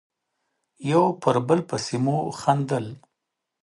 یو پر بل پسې مو خندل.